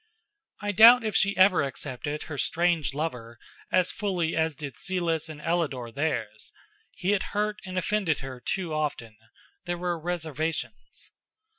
I doubt if she ever accepted her strange lover as fully as did Celis and Ellador theirs. He had hurt and offended her too often; there were reservations.